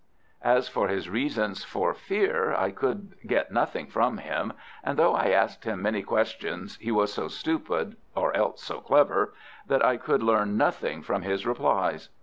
As to his reasons for fear, I could get nothing from him, and though I asked him many questions he was so stupid, or else so clever, that I could learn nothing from his replies.